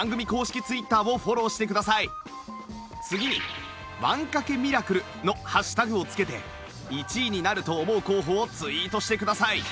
次に「ワン賭けミラクル」のハッシュタグをつけて１位になると思う候補をツイートしてください